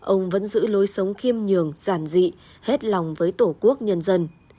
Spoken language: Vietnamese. ông vẫn giữ lối sống khiêm nhường giản dị hết lòng với tổ quốc nhân dân